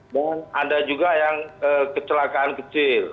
dan ada juga yang kecelakaan kecil